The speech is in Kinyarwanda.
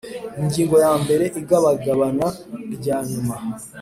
Ingingo yambere Igabagabana rya nyuma